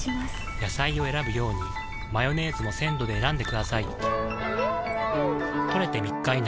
野菜を選ぶようにマヨネーズも鮮度で選んでくださいん！